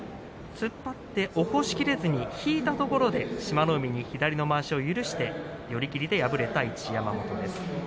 突っ張って、起こしきれずに引いたところで志摩ノ海に左のまわしを許して寄り切りで敗れた一山本です。